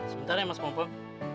sebentar ya mas pompom